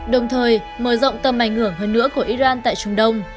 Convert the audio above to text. đồng thời mở rộng tầm ảnh hưởng hơn nữa của iran tại trung đông